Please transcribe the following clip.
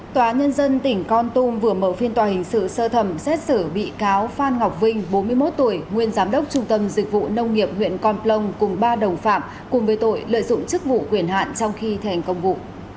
tòa nhân dân tỉnh con tum vừa mở phiên tòa hình sự sơ thẩm xét xử bị cáo phan ngọc vinh bốn mươi một tuổi nguyên giám đốc trung tâm dịch vụ nông nghiệp huyện con plông cùng ba đồng phạm cùng với tội lợi dụng chức vụ quyền hạn trong khi thành công vụ